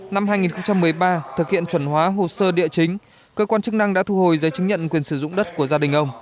năm hai nghìn một mươi ba thực hiện chuẩn hóa hồ sơ địa chính cơ quan chức năng đã thu hồi giấy chứng nhận quyền sử dụng đất của gia đình ông